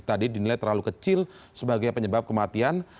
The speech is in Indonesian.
tadi dinilai terlalu kecil sebagai penyebab kematian